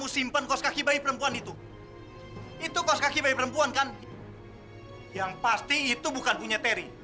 sampai jumpa di video selanjutnya